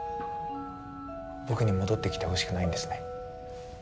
僕に戻ってきてほしくないんですね。